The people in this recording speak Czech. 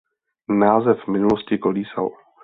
Název v minulosti kolísal.